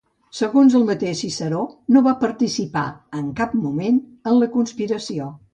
Segons el mateix Ciceró no va participar en cap moment en la conspiració.